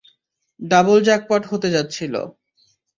Double jackpot হতে যাচ্ছিলো।